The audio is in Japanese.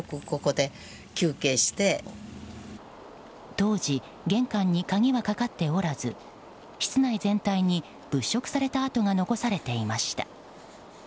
当時、玄関に鍵はかかっておらず室内全体に物色された跡が残されていました。